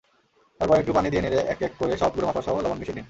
তারপর একটু পানি দিয়ে নেড়ে একেক করে সব গুঁড়ো মশলাসহ লবণ মিশিয়ে নিন।